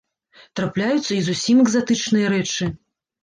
Трапляюцца і зусім экзатычныя рэчы.